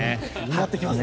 なってきますね。